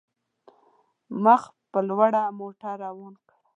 مخ په لوړه مو موټر روان کړ.